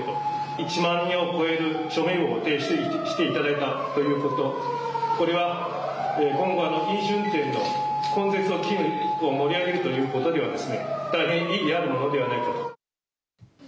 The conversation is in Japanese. １万人を超える署名を提出していただいたということこれは今後の飲酒運転の根絶の機運を盛り上げるうえでは意味があることではないかと。